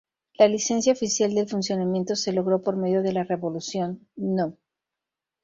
La licencia oficial de funcionamiento se logró por medio de la Resolución No.